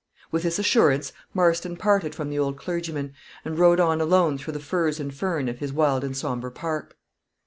With this assurance Marston parted from the old clergyman, and rode on alone through the furze and fern of his wild and somber park.